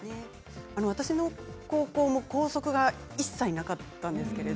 私の高校も校則が一切なかったんです。